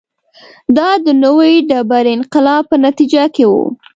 دا د نوې ډبرې انقلاب په نتیجه کې و